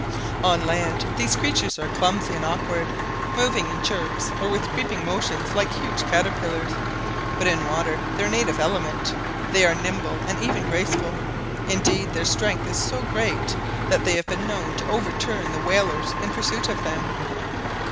On land these creatures are clumsy and awkward, moving in jerks or with creeping motions like huge caterpillars, but in water their native element—they are nimble and even graceful; indeed their strength is so great, that they have been known to overturn the whalers in pursuit of them.